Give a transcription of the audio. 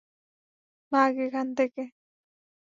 ভাগ এখান থেকে!